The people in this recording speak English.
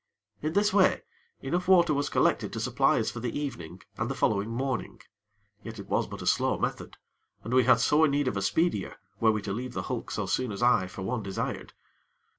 In this way, enough water was collected to supply us for the evening and the following morning; yet it was but a slow method, and we had sore need of a speedier, were we to leave the hulk so soon as I, for one, desired.